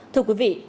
thưa quý vị